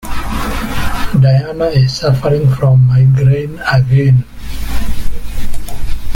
Diana is suffering from migraine again.